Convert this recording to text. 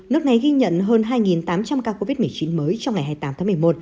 nước này ghi nhận hơn hai tám trăm linh ca covid một mươi chín mới trong ngày hai mươi tám tháng một mươi một